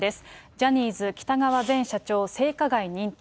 ジャニーズ喜多川前社長、性加害認定。